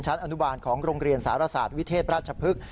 ชั้นอนุบาลของโรงเรียนศาลศาสตร์วิเทศรัชภพฤกษ์